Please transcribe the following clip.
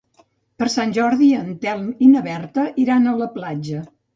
Per Sant Jordi en Telm i na Berta iran a la platja.